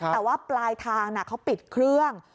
แต่ว่าปลายทางเขาปิดเครื่อง